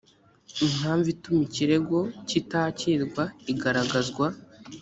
impamvu ituma ikirego kitakirwa igaragazwa